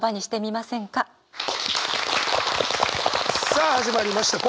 さあ始まりました。